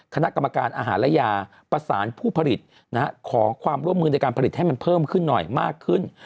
คณะกรรมการอาหารและยาประสานผู้ผลิตขอความร่วมมือในการผลิตให้มันเพิ่มขึ้นหน่อยมากขึ้น